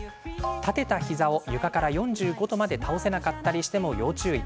立てた膝を床から４５度まで倒せなかったりしても要注意。